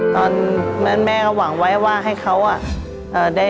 ตอนแม่ก็หว่างไว้ว่างให้เขาอ่ะ